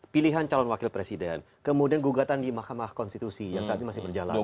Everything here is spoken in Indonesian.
pilihan calon wakil presiden kemudian gugatan di mahkamah konstitusi yang saat ini masih berjalan